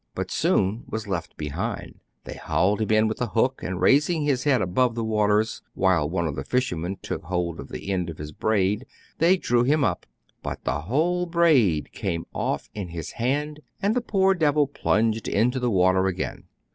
But Soun was left behind. They hauled him in with a hook : and raising his head above the waters, while one of the fishermen took hold of DANGERS OF CAPT. BOYTON'S APPARATUS, 243 the end of his braid, they drew him up ; but the whole braid came off in his hand, and the poor devil plunged into the water again.